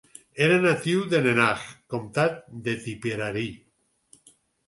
Era natiu de Nenagh, Comtat de Tipperary.